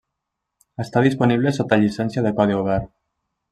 Està disponible sota llicència de codi obert.